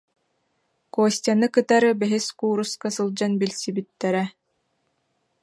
Костяны кытары бэһис кууруска сылдьан билси- биттэрэ